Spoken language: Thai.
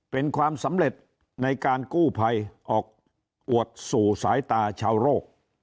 เป็นความสำเร็จในการกู้ภัยออกอวดสู่สายตาชาวโรค